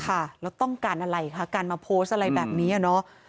แล้วต้องการอะไรคะการมาโพสต์อะไรแบบนี้